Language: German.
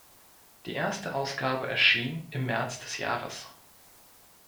Die erste Ausgabe erschien im März des Jahres.